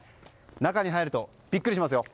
中に入るとビックリしますよ。